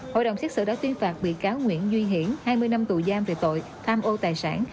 hội đồng xét xử đã tuyên phạt bị cáo nguyễn duy hiển hai mươi năm tù giam về tội tham ô tài sản